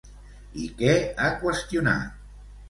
I què ha qüestionat?